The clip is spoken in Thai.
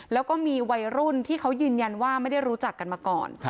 แล้วก็มีวัยรุ่นที่เขายืนยันว่าไม่ได้รู้จักกันมาก่อน